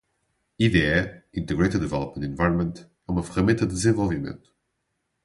IDE (Integrated Development Environment) é uma ferramenta de desenvolvimento.